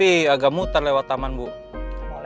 ini masuk ke tempat lo tiap minggu lo sabar mm